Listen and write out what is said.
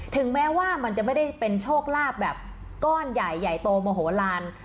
ถึงแม้ว่ามันจะไม่ได้เป็นโชคลาภแบบก้อนใหญ่ใหญ่โตโมโหลาน